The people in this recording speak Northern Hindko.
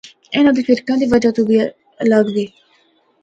انہاں دے فرقاں دی وجہ توں وی الگ وے۔